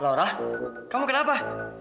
laura kamu kenapa